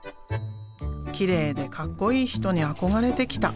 きれいでかっこいい人に憧れてきた。